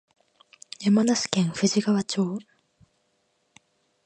山梨県富士川町